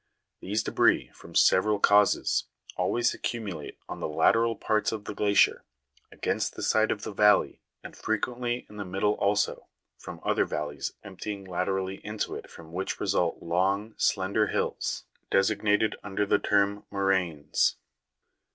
These debris, from several causes, always accumulate on the late ral parts of the glacier, against the side of the valley, and fre quently in the middle also, from other valleys emptying laterally into it, from which result long, slender hills, designated under the term moraines.